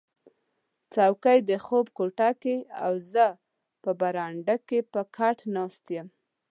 څوکی د خوب کوټه کې او زه په برنډه کې په کټ ناست یم